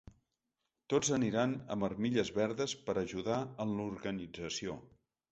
Tots aniran amb armilles verdes per a ajudar en l’organització.